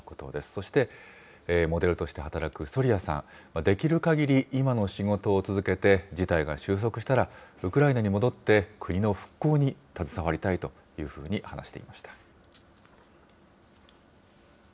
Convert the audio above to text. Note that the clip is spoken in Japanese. そして、モデルとして働くソリヤさん、できるかぎり今の仕事を続けて、事態が収束したら、ウクライナに戻って国の復興に携わりたいというふうに話していました。